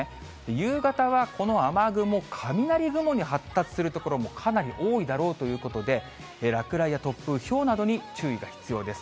夕方はこの雨雲、雷雲に発達する所もかなり多いだろうということで、落雷や突風、ひょうなどに注意が必要です。